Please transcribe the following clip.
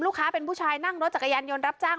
ค้าเป็นผู้ชายนั่งรถจักรยานยนต์รับจ้าง